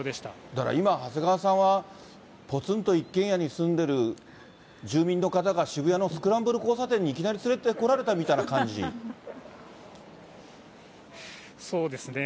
だから今、長谷川さんはぽつんと一軒家に住んでる住民の方が、渋谷のスクランブル交差点にいきなり連れてこられたみたいな感じそうですね。